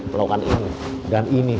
melakukan ini dan ini